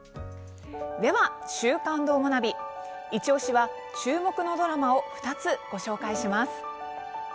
では「週刊どーもナビ」イチおしは、注目のドラマを２つ、ご紹介します。